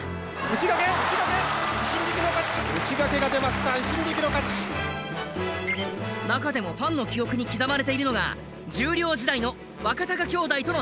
中でもファンの記憶に刻まれているのが十両時代の若貴兄弟との対決。